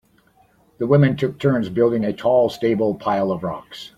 The women took turns building a tall stable pile of rocks.